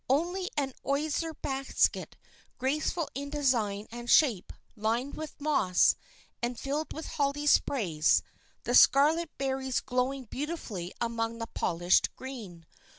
Only an osier basket, graceful in design and shape, lined with moss, and filled with holly sprays, the scarlet berries glowing beautifully among the polished green.